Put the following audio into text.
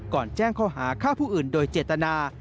ก่อนแจ้งเขาหาข้าวผู้อื่นโดยเจตนา